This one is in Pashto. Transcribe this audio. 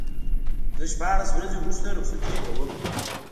زه شپاړس ورځې وروسته رخصتي کوم.